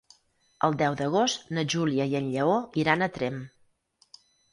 El deu d'agost na Júlia i en Lleó iran a Tremp.